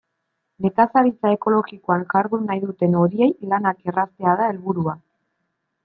Nekazaritza ekologikoan jardun nahi duten horiei lanak erraztea da helburua.